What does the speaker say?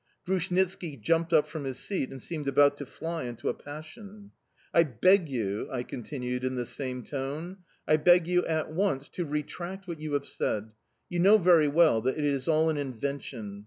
Grushnitski jumped up from his seat and seemed about to fly into a passion. "I beg you," I continued in the same tone: "I beg you at once to retract what you have said; you know very well that it is all an invention.